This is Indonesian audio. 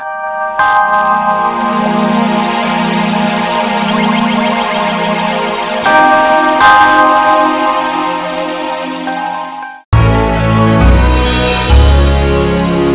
masih panjang saja tuh mama kotor